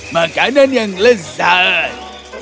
makanan yang lezat